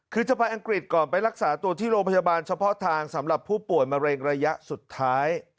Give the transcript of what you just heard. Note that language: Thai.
คือจะไปอังกฤษก่อนไปรักษาตัวที่โรงพยาบาลเฉพาะทางสำหรับผู้ป่วยมะเร็งระยะสุดท้าย